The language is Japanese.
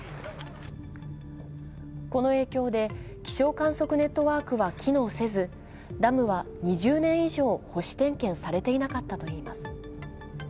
この影響で、気象観測ネットワークは機能せずダムは２０年以上、保守点検されていなかったといいます。